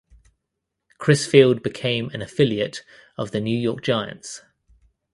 Crisfield became an affiliate of the New York Giants.